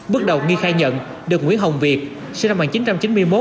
bước đầu nghi khai nhận được nguyễn hồng việt sinh năm một nghìn chín trăm chín mươi một